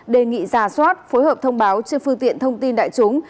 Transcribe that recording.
đề nghị giả soát phối hợp thông báo trên phương tiện thông tin đại chúng